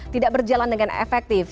tidak berjalan dengan efektif